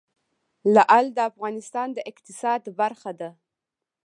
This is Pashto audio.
لعل د افغانستان د اقتصاد برخه ده.